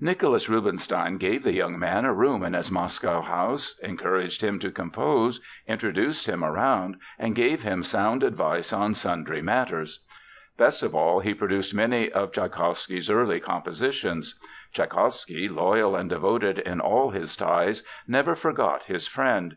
Nicholas Rubinstein gave the young man a room in his Moscow house, encouraged him to compose, introduced him around, and gave him sound advice on sundry matters. Best of all, he produced many of Tschaikowsky's early compositions. Tschaikowsky, loyal and devoted in all his ties, never forgot his friend.